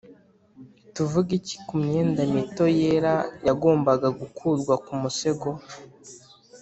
tuvuge iki ku myenda mito yera yagombaga gukurwa ku musego